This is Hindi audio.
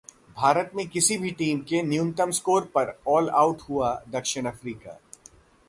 भारत में किसी भी टीम के न्यूनतम स्कोर पर ऑलआउट हुआ द. अफ्रीका